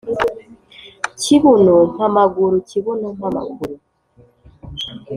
Kibuno mpa amaguru! kibuno mpa amaguru!